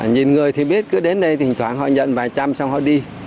nhìn người thì biết cứ đến đây thỉnh thoảng họ nhận vài trăm xong họ đi